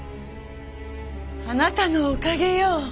あなたのおかげよ。